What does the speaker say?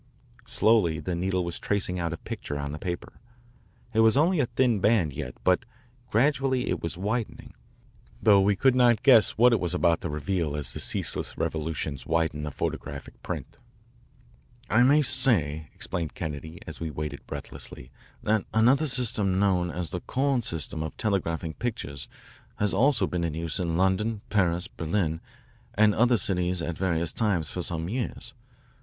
Slowly the needle was tracing out a picture on the paper. It was only a thin band yet, but gradually it was widening, though we could not guess what it was about to reveal as the ceaseless revolutions widened the photographic print. "I may say," explained Kennedy as we waited breathlessly, "that another system known as the Korn system of telegraphing pictures has also been in use in London, Paris, Berlin, and other cities at various times for some years.